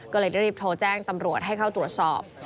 ก็เลยรีบโทรแจ้งตำรวจให้เข้าตรวจสอบ